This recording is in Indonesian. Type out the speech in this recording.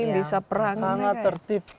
bisa perang sangat tertib